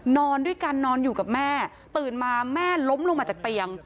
นอนด้วยกันนอนอยู่กับแม่ตื่นมาแม่ล้มลงมาจากเตียง